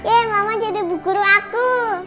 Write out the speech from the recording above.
ye mama jadi buku guru aku